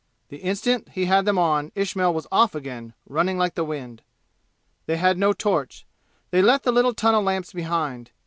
The instant he had them on Ismail was off again, running like the wind. They had no torch. They left the little tunnel lamps behind.